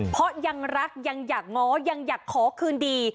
เพราะยังรักยังอยากง้อยังอยากขอคืนดี